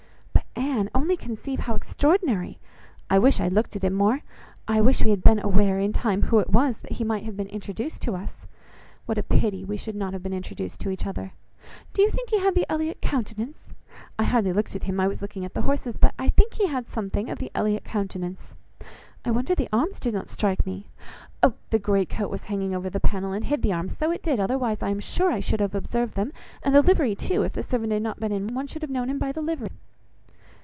But, Anne, only conceive how extraordinary! I wish I had looked at him more. I wish we had been aware in time, who it was, that he might have been introduced to us. What a pity that we should not have been introduced to each other! Do you think he had the Elliot countenance? I hardly looked at him, I was looking at the horses; but I think he had something of the Elliot countenance, I wonder the arms did not strike me! Oh! the great coat was hanging over the panel, and hid the arms, so it did; otherwise, I am sure, I should have observed them, and the livery too; if the servant had not been in mourning, one should have known him by the livery."